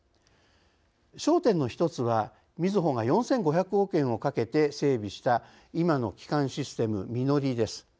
焦点の１つは、みずほが４５００億円をかけて整備した今の基幹システムＭＩＮＯＲＩです。